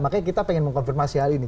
makanya kita ingin mengkonfirmasi hal ini